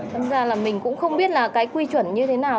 thật ra là mình cũng không biết là cái quy chuẩn như thế nào